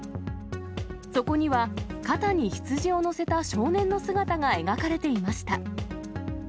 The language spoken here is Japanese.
そこには、肩に羊を載せた少年の姿が描かれていました。